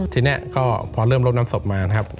ทีนี้ก็พอเริ่มรดน้ำศพมานะครับ